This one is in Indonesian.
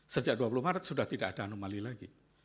sejak dua puluh maret sudah tidak ada anomali lagi